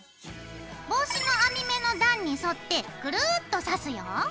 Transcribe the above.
帽子の編み目の段に沿ってぐるっと刺すよ。